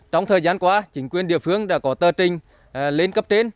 trong thời gian qua chính quyền địa phương đã có tơ trình lên cấp đến